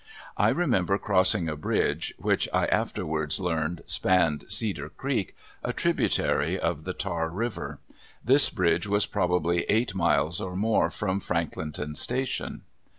I remember crossing a bridge, which I afterwards learned spanned Cedar Creek, a tributary of the Tar River. This bridge was probably eight miles or more from Franklinton station.